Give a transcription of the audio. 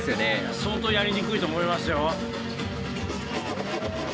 相当やりにくいと思いますよ。